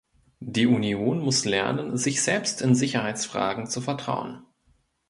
Die Union muss lernen, sich selbst in Sicherheitsfragen zu vertrauen.